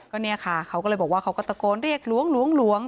ก็เนี่ยค่ะเขาก็เลยบอกว่าเขาก็ตะโกนเรียกหลวง